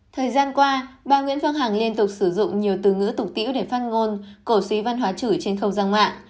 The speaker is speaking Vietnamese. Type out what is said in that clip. thời gian qua bà nguyễn phương hằng liên tục sử dụng nhiều từ ngữ tục tiễu để phát ngôn cổ suý văn hóa chửi trên không gian mạng